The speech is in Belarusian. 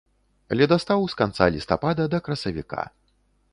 Ледастаў з канца лістапада да красавіка.